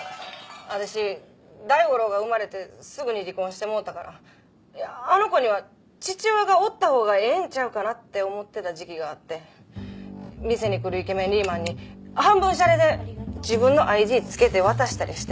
私大五郎が生まれてすぐに離婚してもうたからあの子には父親がおったほうがええんちゃうかなって思ってた時期があって店に来るイケメンリーマンに半分シャレで自分のＩＤ付けて渡したりしててん。